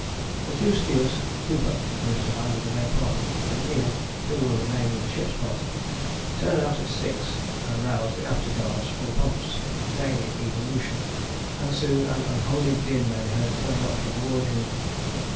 The two stewards, Hooper, who is to land with the Main Party, and Neale, who will remain with the Ship's Party, turn out at six and rouse the afterguard for the pumps, a daily evolution, and soon an unholy din may be heard coming up from the wardroom.